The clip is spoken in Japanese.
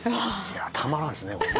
いやたまらんですね。